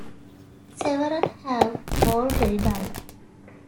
Several have already died.